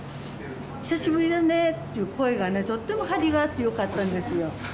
久しぶりだね！っていう声がね、とっても張りがあってよかったんですよ。